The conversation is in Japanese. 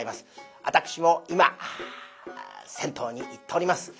私も今銭湯に行っております。